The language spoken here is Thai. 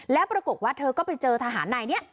และปรากฏว่าเธอก็ไปเจอทหารใน